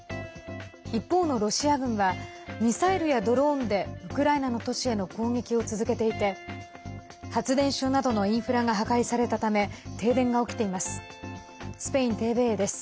一方のロシア軍はミサイルやドローンでウクライナの都市への攻撃を続けていて発電所などのインフラが破壊されたため停電が起きています。